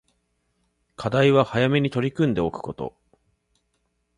課題は早めに取り組んでおくこと